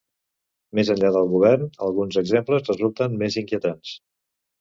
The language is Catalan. Més enllà del govern, alguns exemples resulten més inquietants.